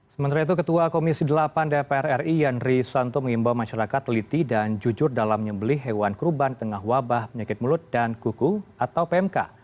sementara itu ketua komisi delapan dpr ri yandri santo mengimbau masyarakat teliti dan jujur dalam menyembeli hewan kurban tengah wabah penyakit mulut dan kuku atau pmk